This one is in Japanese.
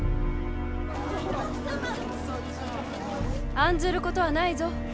案ずることはないぞ。